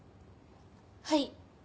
はい。